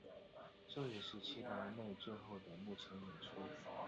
这也是齐达内最后的幕前演出。